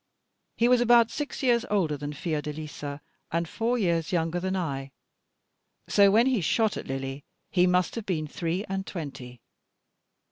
He was about six years older than Fiordalisa, and four years younger than I; so when he shot at Lily, he must have been three and twenty.